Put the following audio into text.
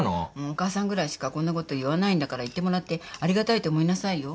お母さんぐらいしかこんなこと言わないんだから言ってもらってありがたいと思いなさいよ。